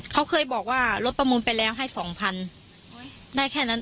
เขาเคยบอกว่ารถประมูลไปแล้วให้สองพันได้แค่นั้น